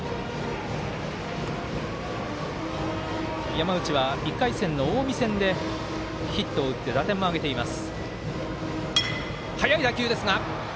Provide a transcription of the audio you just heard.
山内は１回戦の近江戦でヒットを打って打点も挙げています。